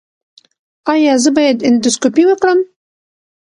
ایا زه باید اندوسکوپي وکړم؟